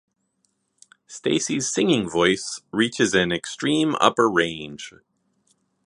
Stacey's singing voice reaches an extreme upper range.